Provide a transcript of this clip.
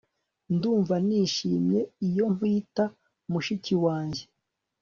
ndumva nishimye iyo nkwita mushiki wanjye